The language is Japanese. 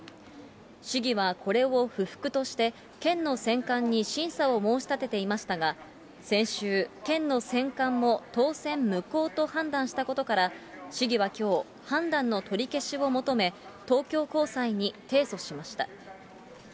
市議はこれを不服として、県の選管に審査を申し立てていましたが、先週、県の選管も当選無効と判断したことから、市議はきょう、判断の取り消しを求め、東京高裁に提訴しました。